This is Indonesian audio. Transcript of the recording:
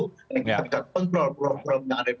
dan kita bisa mengontrol program yang ada di